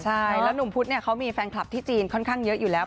ใช่แล้วหนุ่มพุธเนี่ยเขามีแฟนคลับที่จีนค่อนข้างเยอะอยู่แล้ว